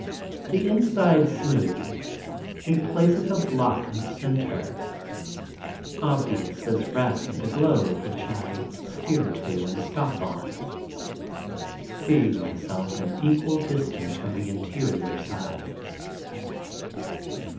The inside smooth he places a block in the center, obvious as rest to the globe which I steer to and stop on, seeing myself an equal distance from the interior sides.